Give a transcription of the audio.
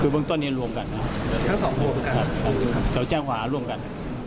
คือบ้านต้นเนียนรวมกันครับทั้งสองผู้รวมกันครับสาวแจ้งขวารวมกัน